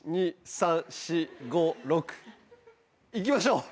行きましょう。